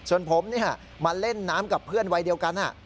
ส่วนผมมาเล่นน้ำกับเพื่อนวัยเดียวกัน